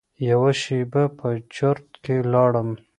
یوه شېبه په چرت کې لاړم.